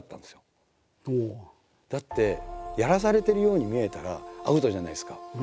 だってやらされてるように見えたらアウトじゃないですか。